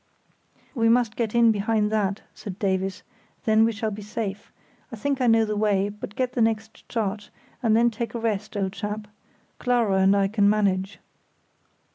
"We must get in behind that," said Davies, "then we shall be safe; I think I know the way, but get the next chart; and then take a rest, old chap. Clara and I can manage."